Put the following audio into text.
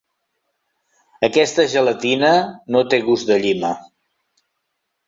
Aquesta gelatina no té gust de llima.